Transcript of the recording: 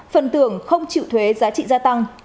phần tưởng không chịu thuế giá trị gia tăng